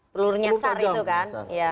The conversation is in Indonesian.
peluru nyasar itu kan